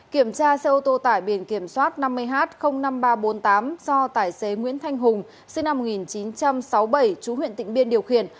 kiểm tra xe ô tô tải biển kiểm soát năm mươi h năm nghìn ba trăm bốn mươi tám do tài xế nguyễn thanh hùng sinh năm một nghìn chín trăm sáu mươi bảy chú huyện tịnh biên điều khiển